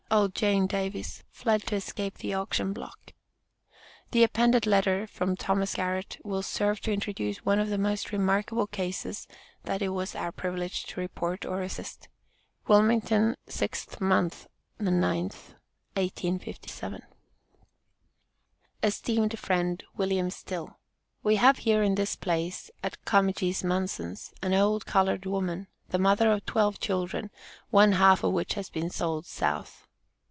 OLD JANE DAVIS FLED TO ESCAPE THE AUCTION BLOCK. The appended letter, from Thomas Garrett, will serve to introduce one of the most remarkable cases that it was our privilege to report or assist: WILMINGTON, 6 mo., 9th, 1857. ESTEEMED FRIEND WILLIAM STILL: We have here in this place, at Comegys Munson's an old colored woman, the mother of twelve children, one half of which has been sold South.